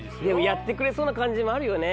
やってくれそうな感じもあるよね